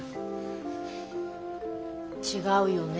違うよね